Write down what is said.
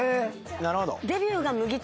なるほど。